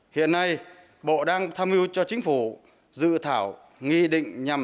hiện nay bộ đang tham mưu cho chính phủ dự thảo nghị định nhằm